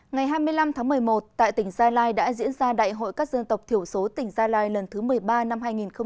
ngày hai mươi năm tháng một mươi một tại tỉnh gia lai đã diễn ra đại hội các dân tộc thiểu số tỉnh gia lai lần thứ một mươi ba năm hai nghìn một mươi chín